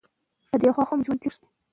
والدين چې بېلګه وي، بد عادتونه نه لېږدېږي.